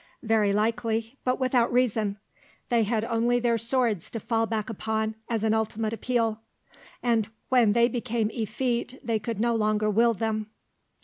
"Very likely, but without reason. They had only their swords to fall back upon as an ultimate appeal; and when they became effete they could no longer wield them."